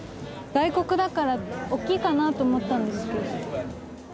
外国だからおっきいかなと思ったんですけど。